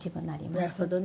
なるほどね。